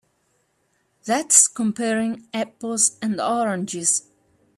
That's comparing apples and oranges.